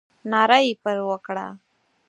ناره یې پر وکړه.